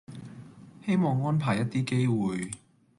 希望安排一啲機會